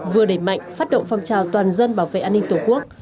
vừa đẩy mạnh phát động phong trào toàn dân bảo vệ an ninh tổ quốc